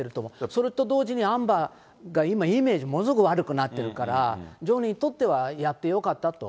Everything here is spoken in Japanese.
それと同時に、アンバーが今、イメージものすごく悪くなってるから、ジョニーにとってはやってよかったと。